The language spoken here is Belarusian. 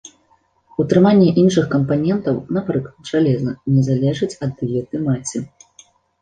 Утрыманне іншых кампанентаў, напрыклад, жалеза, не залежыць ад дыеты маці.